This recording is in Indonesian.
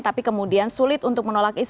tapi kemudian sulit untuk menolak